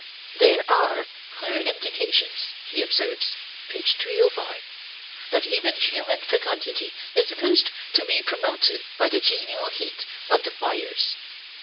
"There are clear indications," he observes (p. 305), "that even human fecundity is supposed to be promoted by the genial heat of the fires.